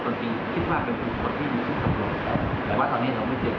ก็ไปพบซึ่งทุกคนโดยต้องกำหนังที่บ้างและรวมมาตรวจสอบต่อ